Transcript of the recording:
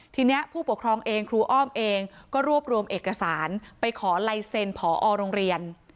ทีนี้ผู้ปกครองเองครูอ้อมเองก็รวบรวมเอกสารไปขอลายเซ็นผอโรงเรียน